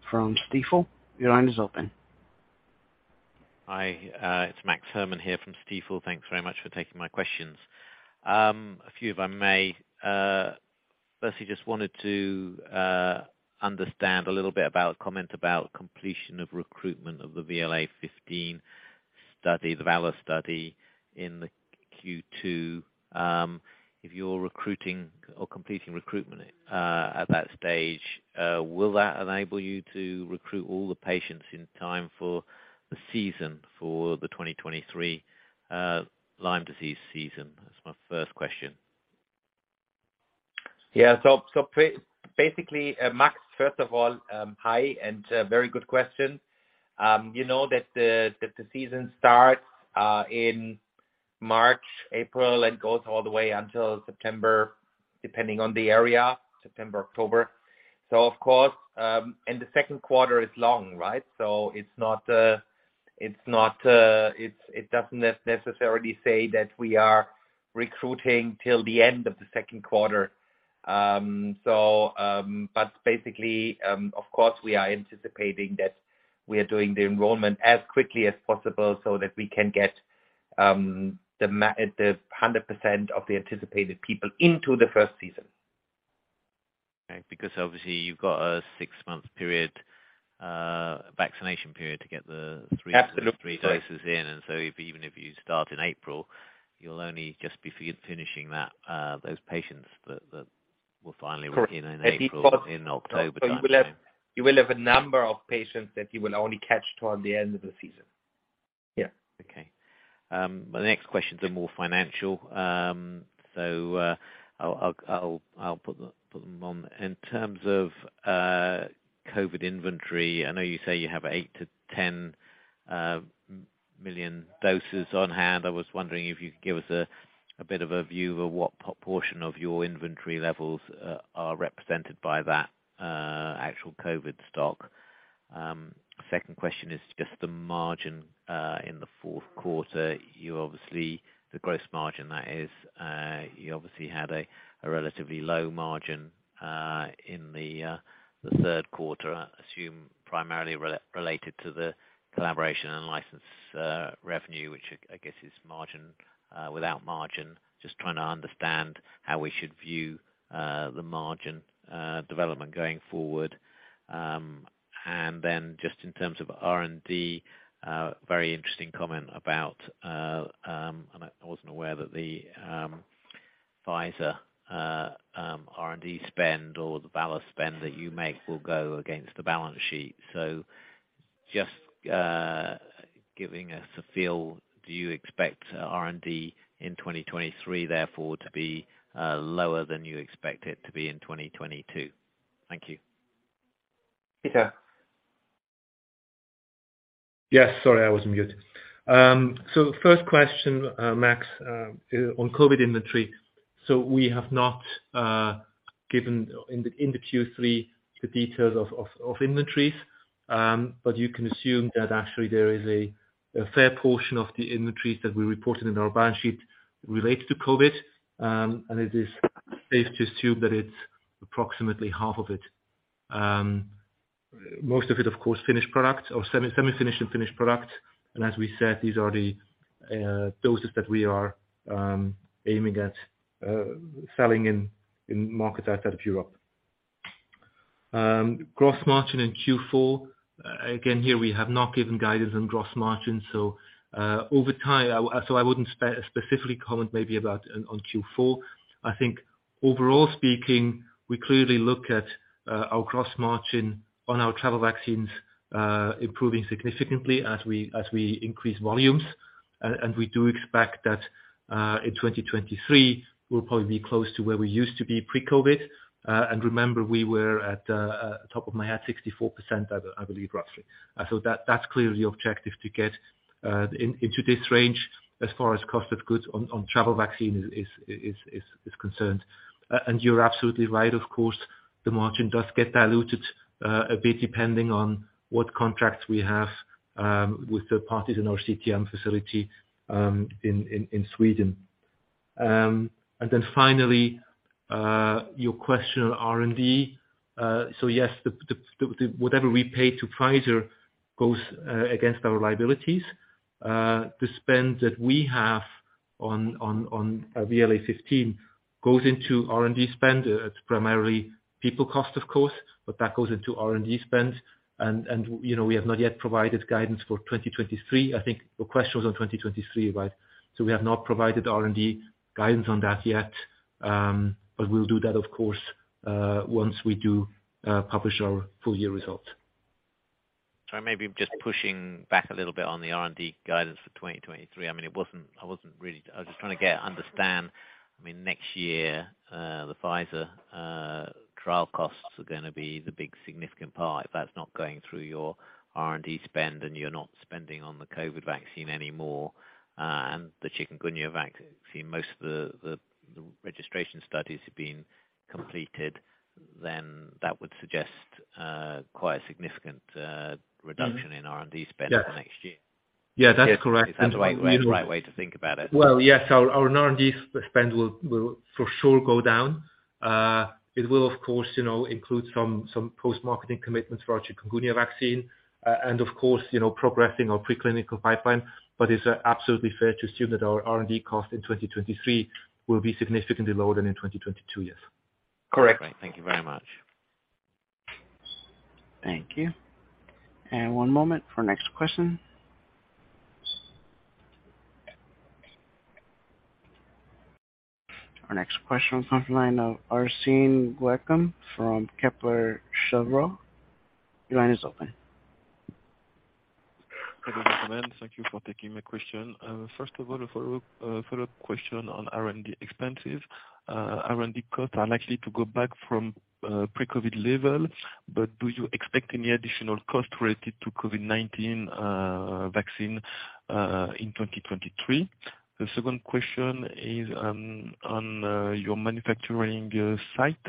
from Stifel. Your line is open. Hi, it's Max Herrmann here from Stifel. Thanks very much for taking my questions. A few if I may. Firstly, just wanted to understand a little bit about comment about completion of recruitment of the VLA fifteen study, the VALOR study in the Q2. If you're recruiting or completing recruitment at that stage, will that enable you to recruit all the patients in time for the season, for the 2023 Lyme disease season? That's my first question. Basically, Max, first of all, hi, and very good question. You know that the season starts in March, April, and goes all the way until September, depending on the area, September, October. Of course, the second quarter is long, right? It doesn't necessarily say that we are recruiting till the end of the second quarter. Basically, of course, we are anticipating that we are doing the enrollment as quickly as possible so that we can get the 100% of the anticipated people into the first season. Okay. Because obviously you've got a six-month period, vaccination period to get the three- Absolutely. 3 doses in. Even if you start in April, you'll only just be finishing those patients that will finally be in April or in October. You will have a number of patients that you will only catch toward the end of the season. Yeah. Okay. My next questions are more financial. So, I'll put them on. In terms of COVID inventory, I know you say you have 8-10 million doses on hand. I was wondering if you could give us a bit of a view of what proportion of your inventory levels are represented by that actual COVID stock. Second question is just the margin in the fourth quarter. You obviously, the gross margin, that is, you obviously had a relatively low margin in the third quarter, I assume primarily related to the collaboration and license revenue, which I guess is margin without margin. Just trying to understand how we should view the margin development going forward. Just in terms of R&D, very interesting comment about, and I wasn't aware that the Pfizer R&D spend or the VALOR spend that you make will go against the balance sheet. So just giving us a feel, do you expect R&D in 2023, therefore, to be lower than you expect it to be in 2022? Thank you. Peter. Yes. Sorry, I wasn't muted. First question, Max, on COVID inventory. We have not given in the Q3 the details of inventories. You can assume that actually there is a fair portion of the inventories that we reported in our balance sheet related to COVID. It is safe to assume that it's approximately half of it. Most of it, of course, finished product or semi-finished and finished product. As we said, these are the doses that we are aiming at selling in markets outside of Europe. Gross margin in Q4. Again, here, we have not given guidance on gross margin. Over time, I wouldn't specifically comment maybe about on Q4. I think overall speaking, we clearly look at our gross margin on our travel vaccines improving significantly as we increase volumes. We do expect that in 2023, we'll probably be close to where we used to be pre-COVID. Remember, we were at top of my head 64%, I believe, roughly. That's clearly the objective to get into this range as far as cost of goods on travel vaccine is concerned. You're absolutely right, of course, the margin does get diluted a bit, depending on what contracts we have with third parties in our CTM facility in Sweden. Finally, your question on R&D. Yes, the whatever we pay to Pfizer goes against our liabilities. The spend that we have on VLA15 goes into R&D spend. It's primarily people cost, of course, but that goes into R&D spend. You know, we have not yet provided guidance for 2023. I think the question was on 2023, right? We have not provided R&D guidance on that yet, but we'll do that, of course, once we do publish our full year results. Sorry, maybe just pushing back a little bit on the R&D guidance for 2023. I mean, I was just trying to understand, I mean, next year, the Pfizer trial costs are gonna be the big significant part. If that's not going through your R&D spend and you're not spending on the COVID vaccine anymore, and the chikungunya vaccine, most of the registration studies have been completed, then that would suggest quite a significant reduction in R&D spend. Yes. for next year. Yeah, that's correct. Is that the right way to think about it? Well, yes, our R&D spend will for sure go down. It will of course, you know, include some post-marketing commitments for our chikungunya vaccine, and of course, you know, progressing our pre-clinical pipeline. It's absolutely fair to assume that our R&D cost in 2023 will be significantly lower than in 2022, yes. Correct. Thank you very much. Thank you. One moment for next question. Our next question comes from the line of Arsène Guekam from Kepler Cheuvreux. Your line is open. Hello, gentlemen. Thank you for taking my question. First of all, a follow-up question on R&D expenses. R&D costs are likely to go back from pre-COVID level, but do you expect any additional cost related to COVID-19 vaccine in 2023? The second question is on your manufacturing site.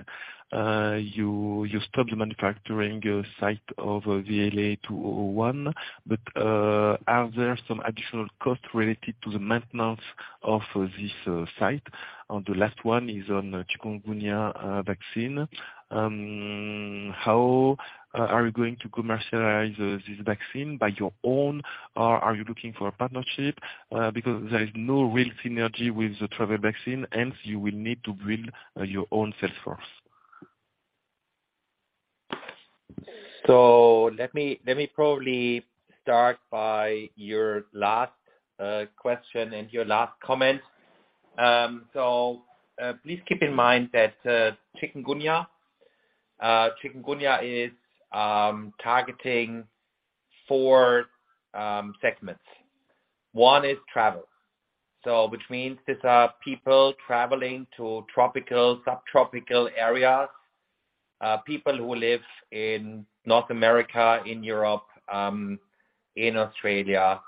You stopped the manufacturing site of VLA2001, but are there some additional costs related to the maintenance of this site? The last one is on the chikungunya vaccine. How are you going to commercialize this vaccine by your own, or are you looking for a partnership? Because there is no real synergy with the travel vaccine, and you will need to build your own sales force. Let me probably start by your last question and your last comment. Please keep in mind that chikungunya Chikungunya is targeting four segments. One is travel, so which means these are people traveling to tropical, subtropical areas, people who live in North America, in Europe, in Australia.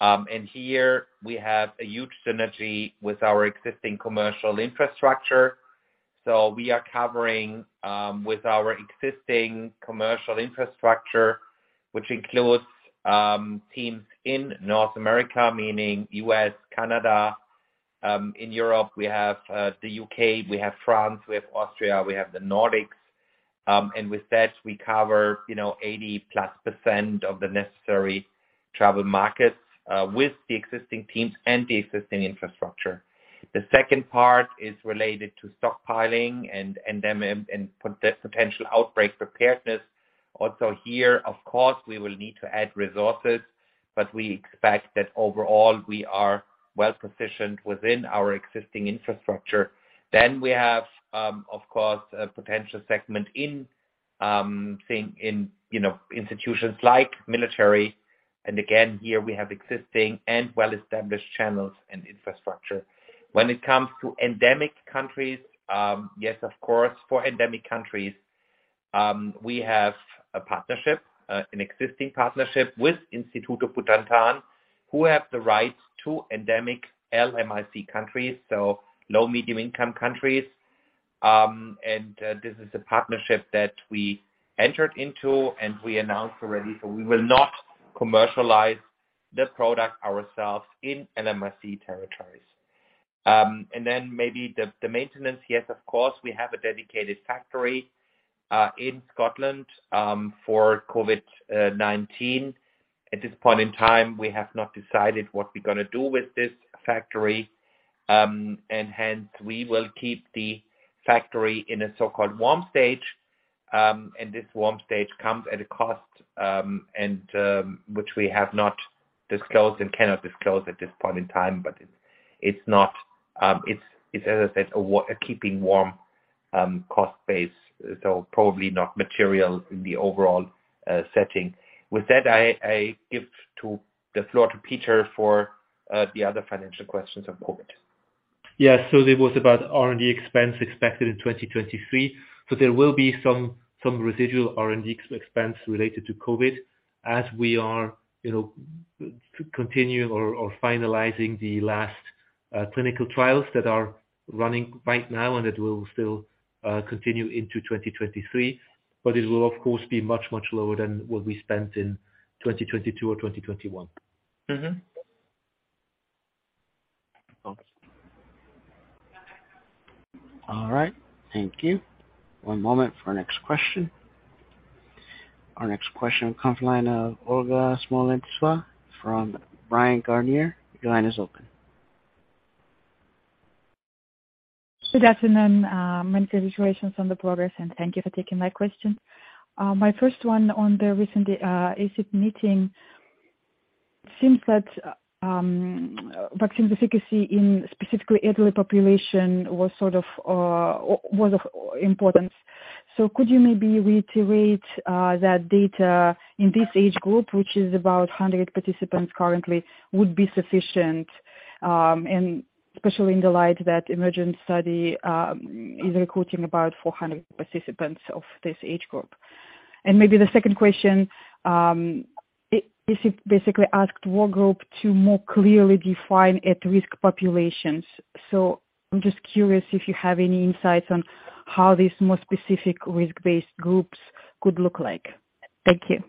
And here we have a huge synergy with our existing commercial infrastructure. We are covering with our existing commercial infrastructure, which includes teams in North America, meaning U.S., Canada. In Europe, we have the U.K., we have France, we have Austria, we have the Nordics. And with that we cover, you know, 80%+ of the necessary travel markets with the existing teams and the existing infrastructure. The second part is related to stockpiling and endemic and potential outbreak preparedness. Also here, of course, we will need to add resources, but we expect that overall we are well positioned within our existing infrastructure. We have, of course, a potential segment in, you know, institutions like military. Again, here we have existing and well-established channels and infrastructure. When it comes to endemic countries, yes, of course, for endemic countries, we have a partnership, an existing partnership with Instituto Butantan, who have the rights to endemic LMIC countries, so low- and middle-income countries. This is a partnership that we entered into and we announced already, so we will not commercialize the product ourselves in LMIC territories. Maybe the maintenance. Yes, of course, we have a dedicated factory in Scotland for COVID-19. At this point in time, we have not decided what we're gonna do with this factory. Hence we will keep the factory in a so-called warm stage. This warm stage comes at a cost, which we have not disclosed and cannot disclose at this point in time, but it's not, as I said, a keeping warm cost base, so probably not material in the overall setting. With that, I give the floor to Peter for the other financial questions on COVID. Yeah. It was about R&D expense expected in 2023. There will be some residual R&D expense related to COVID as we are, you know, continuing or finalizing the last clinical trials that are running right now, and it will still continue into 2023. It will of course be much lower than what we spent in 2022 or 2021. Mm-hmm. Thanks. All right. Thank you. One moment for our next question. Our next question comes from the line of Olga Smolentseva from Bryan Garnier. Your line is open. Good afternoon, many congratulations on the progress, and thank you for taking my question. My first one on the recent ACIP meeting seems that vaccine efficacy in specifically elderly population was sort of was of importance. Could you maybe reiterate that data in this age group, which is about 100 participants currently, would be sufficient, and especially in the light that Emergent study is recruiting about 400 participants of this age group? Maybe the second question is it basically asked work group to more clearly define at-risk populations. I'm just curious if you have any insights on how these more specific risk-based groups could look like. Thank you.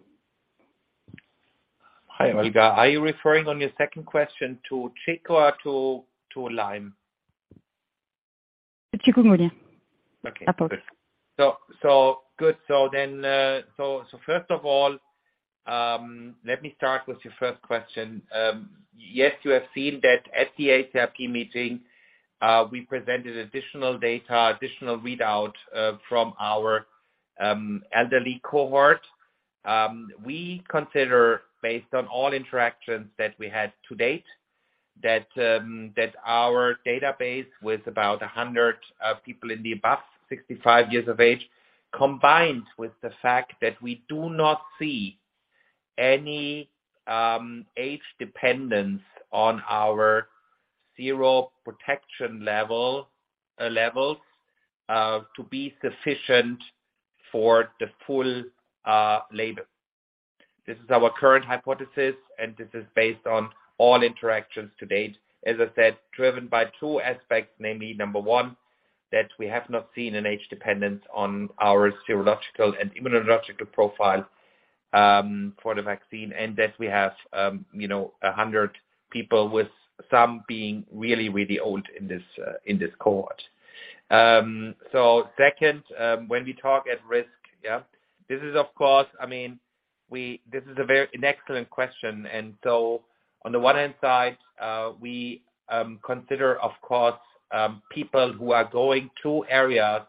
Hi, Olga. Are you referring on your second question to Chik or to Lyme? To chikungunya. Okay. At first. First of all, let me start with your first question. Yes, you have seen that at the ACIP meeting, we presented additional data, additional readout from our elderly cohort. We consider based on all interactions that we had to date that our database with about 100 people in the above 65 years of age, combined with the fact that we do not see any age dependence on our sero protection level levels to be sufficient for the full label. This is our current hypothesis, and this is based on all interactions to date, as I said, driven by two aspects, namely number one, that we have not seen an age dependence on our serological and immunological profile for the vaccine. That we have you know 100 people with some being really old in this cohort. Second, when we talk about risk, yeah, this is of course I mean this is an excellent question. On the one hand side we consider of course people who are going to areas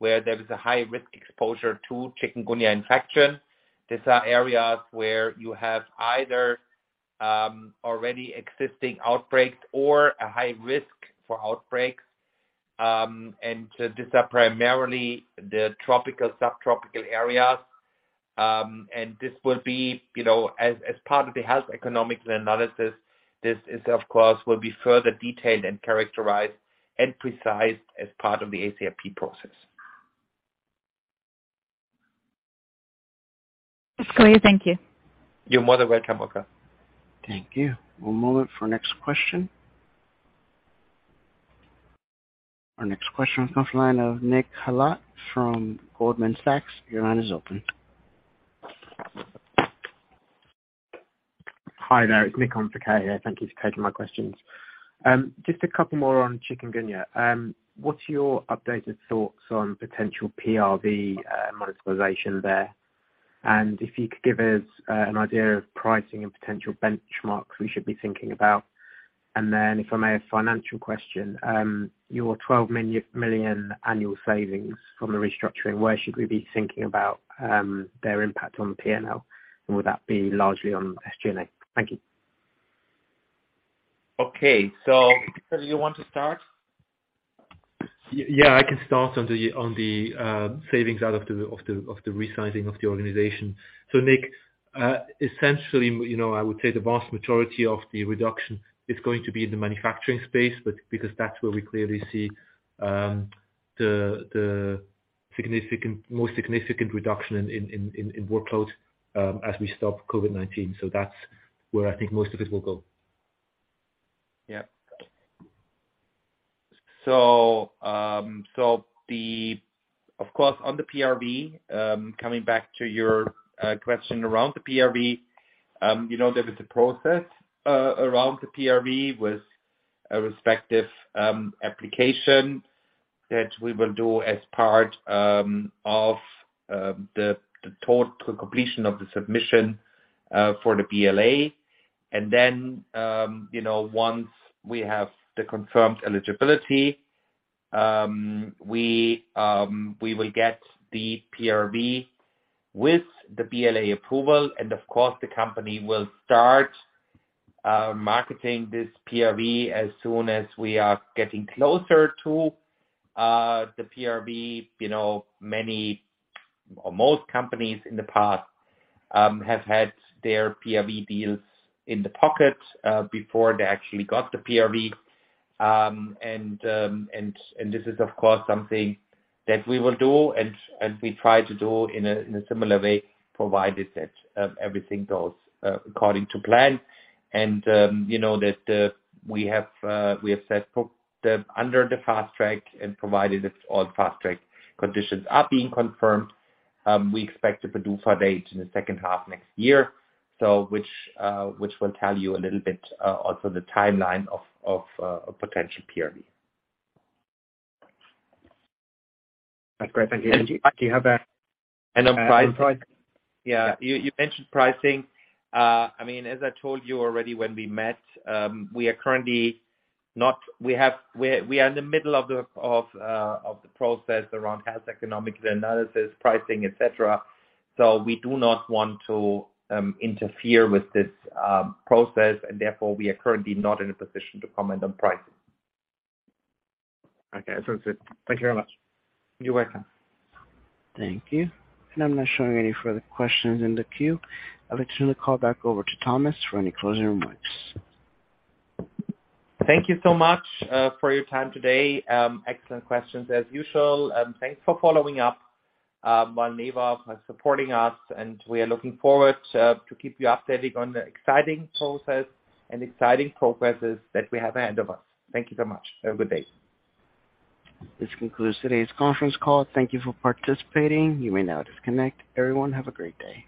where there is a high risk exposure to Chikungunya infection. These are areas where you have either already existing outbreaks or a high risk for outbreaks. These are primarily the tropical subtropical areas. This will be you know as part of the health economics analysis this is of course will be further detailed and characterized and precise as part of the ACIP process. It's clear. Thank you. You're more than welcome, Olga. Thank you. One moment for next question. Our next question comes from the line of Nick Hallatt from Goldman Sachs. Your line is open. Hi there. Nick on for Keyur here. Thank you for taking my questions. Just a couple more on chikungunya. What's your updated thoughts on potential PRV monetization there? If you could give us an idea of pricing and potential benchmarks we should be thinking about. If I may, a financial question, your 12 million annual savings from the restructuring, where should we be thinking about their impact on the P&L? Would that be largely on SG&A? Thank you. Okay. Peter, do you want to start? Yeah, I can start on the savings out of the resizing of the organization. Nick, essentially, you know, I would say the vast majority of the reduction is going to be in the manufacturing space, but because that's where we clearly see the more significant reduction in workload as we stop COVID-19. That's where I think most of it will go. Yeah. Of course, on the PRV, coming back to your question around the PRV, you know, there is a process around the PRV with a respective application that we will do as part of the total completion of the submission for the BLA. You know, once we have the confirmed eligibility, we will get the PRV with the BLA approval, and of course, the company will start marketing this PRV as soon as we are getting closer to the PRV. You know, many or most companies in the past have had their PRV deals in the pocket before they actually got the PRV. This is of course something that we will do and we try to do in a similar way, provided that everything goes according to plan. You know that we have set out under the Fast Track and provided that all Fast Track conditions are being confirmed, we expect to produce our data in the second half next year. Which will tell you a little bit also the timeline of a potential PRV. That's great. Thank you. On pricing. Yeah. You mentioned pricing. I mean, as I told you already when we met, we are in the middle of the process around health economic analysis, pricing, et cetera. So we do not want to interfere with this process. Therefore, we are currently not in a position to comment on pricing. Okay. That's it. Thank you very much. You're welcome. Thank you. I'm not showing any further questions in the queue. I'll return the call back over to Thomas for any closing remarks. Thank you so much for your time today. Excellent questions as usual, and thanks for following up on Valneva, for supporting us, and we are looking forward to keep you updated on the exciting process and exciting progresses that we have ahead of us. Thank you so much. Have a good day. This concludes today's conference call. Thank you for participating. You may now disconnect. Everyone, have a great day.